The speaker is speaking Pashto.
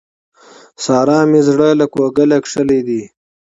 سارا مې زړه له کوګله کښلی دی.